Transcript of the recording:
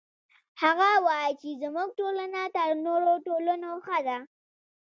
هغه وایي چې زموږ ټولنه تر نورو ټولنو ښه ده